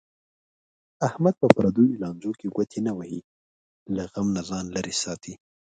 احمد په پردیو لانجو کې ګوتې نه وهي. له غم نه ځان لرې ساتي.